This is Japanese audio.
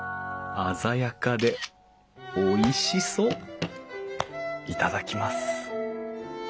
鮮やかでおいしそう頂きます。